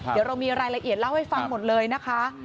เดี๋ยวเรามีรายละเอียดเล่าให้ฟังหมดเลยนะคะ